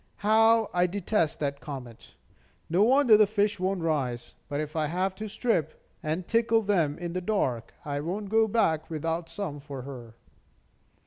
How I detest that comet! No wonder the fish won't rise. But if I have to strip, and tickle them in the dark, I won't go back without some for her."